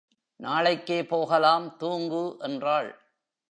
நாளைக்கே போகலாம் தூங்கு என்றாள்.